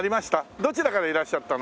どちらからいらっしゃったの？